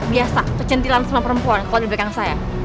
biasa kecantilan sama perempuan kalau dibelakang saya